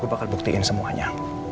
gue bakal buktiin semuanya